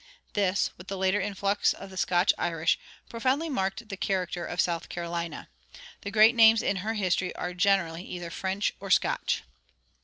This, with the later influx of the Scotch Irish, profoundly marked the character of South Carolina. The great names in her history are generally either French or Scotch.